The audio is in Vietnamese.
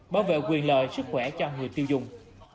bảo vệ quyền lợi sức khỏe cho người tiêu dùng